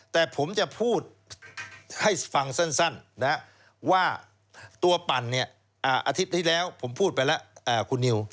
แต่ผมจะพูดให้ฟังสั้นว่าตัวปั่นอาทิบย์ที่แล้วผมพูดไปแล้ว